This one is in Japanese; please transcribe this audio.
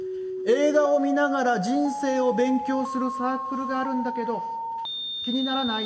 映画を見ながら人生を勉強するサークルがあるんだけど、気にならない？